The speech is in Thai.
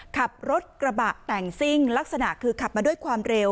ขับรถกระบะแต่งซิ่งลักษณะคือขับมาด้วยความเร็ว